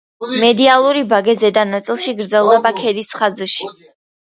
მედიალური ბაგე ზედა ნაწილში გრძელდება ქედის ხაზში.